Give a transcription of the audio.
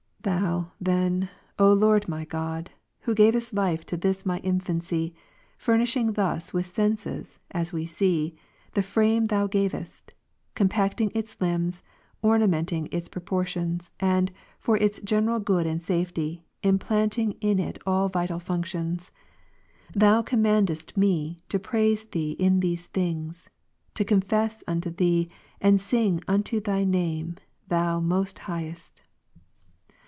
12. Thou, then, O Lord my God, who gavest life to this my infancy, furnishing thus with senses (as we see) the frame ' Thou gavest, compacting its limbs, ornamenting its propor tions, and, for its general good and safety, implanting in it all vital functions. Thou commandest me to praise Thee in these things, to confess unto Thee, and sing unto Thij name, Ps. 92, l. Thou Most Highest.